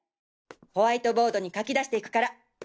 ホワイトボードに書き出していくから！